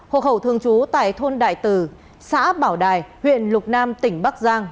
hộ khẩu thương chú tại thôn đại tử xã bảo đài huyện lục nam tỉnh bắc giang